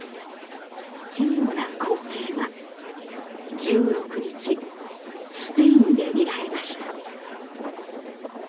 奇妙な光景は、１６日スペインで見られました。